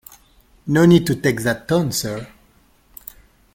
No need to take that tone sir.